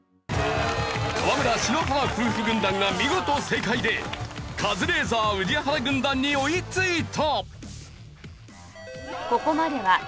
河村＆篠原夫婦軍団が見事正解でカズレーザー＆宇治原軍団に追いついた。